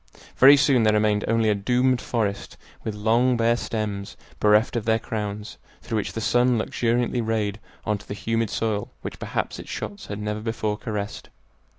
Very soon there remained only a doomed forest, with long bare stems, bereft of their crowns, through which the sun luxuriantly rayed on to the humid soil which perhaps its shots had never before caressed.